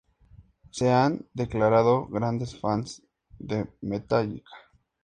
Se han declarado grandes fans de Metallica.